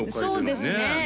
そうですね